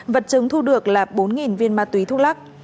vật chứng thu được là bốn viên ma túy thuốc lắc